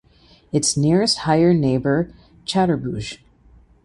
Its nearest higher neighbor Chaturbhuj.